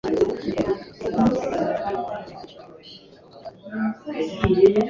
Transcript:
Iyo biriwe bikonje, bituma igifu gikoresha imbaraga nyinshi